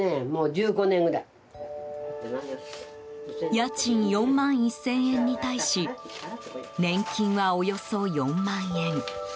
家賃４万１０００円に対し年金はおよそ４万円。